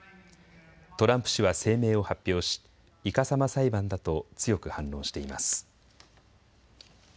トランプ氏は声明を発表しいかさま裁判だと強く反論しています。